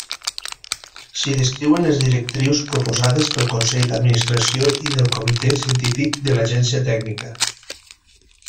S'hi descriuen les directrius proposades pel Consell d'Administració i del Comitè Científic de l'Agència Tècnica.